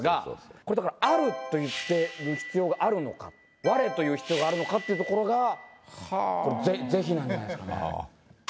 これだから「ある」と言ってる必要があるのか「我」と言う必要があるのかっていうところがこれ是非なんじゃないですかね。